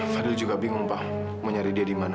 fadil juga bingung pak mau nyari dia di mana